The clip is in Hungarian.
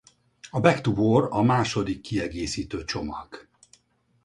A Back to War a második kiegészítő csomag.